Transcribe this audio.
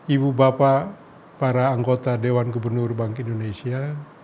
ibu bapak para anggota dewan gubernur bank indonesia